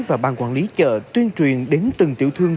và ban quản lý chợ tuyên truyền đến từng tiểu thương